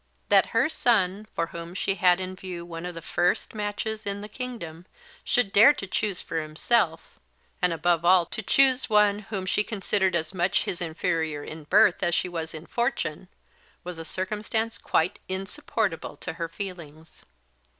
That her son, for whom she had in view one of the first matches in the kingdom, should dare to choose for himself; and, above all, to choose one whom she considered as much his inferior in birth as she was in fortune, was a circumstance quite insupportable to her feelings.